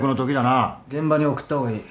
現場に送った方がいい。